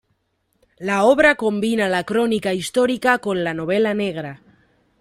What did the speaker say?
La obra combina la crónica histórica con la novela negra.